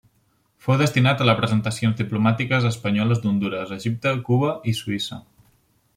Fou destinat a les representacions diplomàtiques espanyoles d'Hondures, Egipte, Cuba i Suïssa.